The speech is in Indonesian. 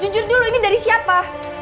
jujur dulu ini dari siapa